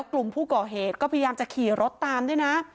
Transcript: กลุ่มผู้ก่อเหตุก็พยายามจะขี่รถตามด้วยนะ